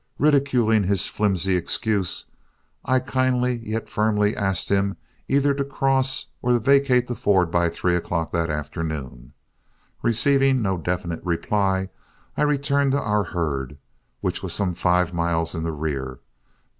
Ridiculing his flimsy excuse, I kindly yet firmly asked him either to cross or vacate the ford by three o'clock that afternoon. Receiving no definite reply, I returned to our herd, which was some five miles in the rear.